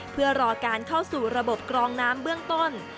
เพื่อรอการเข้าสู่ระบบกรองน้ำเบื้องต้น